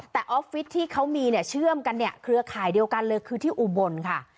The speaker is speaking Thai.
แต่ออฟฟิศที่เขามีเนี่ยเชื่อมกันเนี่ยเครือข่ายเดียวกันเลยคือที่อุบลค่ะ